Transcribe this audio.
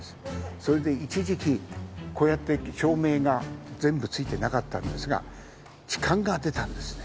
それで一時期こうやって照明が全部ついてなかったんですが痴漢が出たんですね。